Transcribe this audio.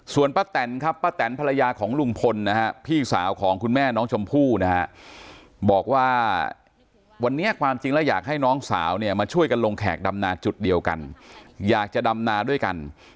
ส่วนป้าแตนครับป้าแตนภรรยาของลุงพลนะฮะพี่สาวของคุณแม่น้องชมพู่นะฮะบอกว่าวันนี้ความจริงแล้วอยากให้น้องสาวเนี่ยมาช่วยกันลงแขกดำนาจุดเดียวกันอยากจะดำนาด้วยกัน